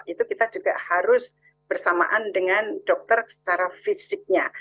itu kita juga harus bersamaan dengan dokter secara fisiknya